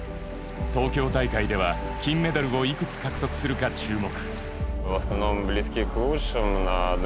東京大会では金メダルをいくつ獲得するか注目。